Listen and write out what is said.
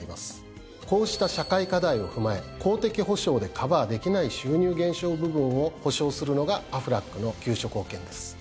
こうした社会課題を踏まえ公的保障でカバーできない収入減少部分を保障するのが「アフラックの休職保険」です。